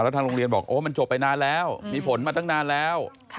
ทางโรงเรียนบอกโอ้มันจบไปนานแล้วมีผลมาตั้งนานแล้ว